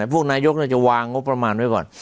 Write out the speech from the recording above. พวกนายกจะวางงบประมาณไว้ก่อน